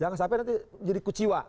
jangan sampai nanti jadi kuciwa